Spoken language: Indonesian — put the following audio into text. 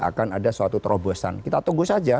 akan ada suatu terobosan kita tunggu saja